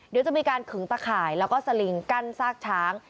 เดี๋ยวจะมีการขึงตะข่ายแล้วก็สลิงกั้นซากช้าง